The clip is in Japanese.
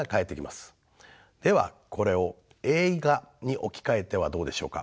ではこれを映画に置き換えてはどうでしょうか。